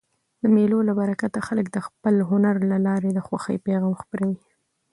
د مېلو له برکته خلک د خپل هنر له لاري د خوښۍ پیغام خپروي.